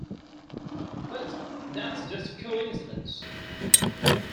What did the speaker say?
But that's just a coincidence.